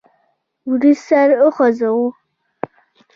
بوریس سر وخوزاوه.